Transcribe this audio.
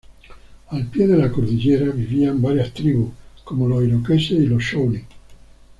Al pie de la cordillera vivían varias tribus, como los iroqueses y los shawnee.